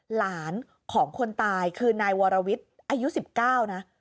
หลานของคนตายคือนายวรวิทย์อายุ๑๙นะ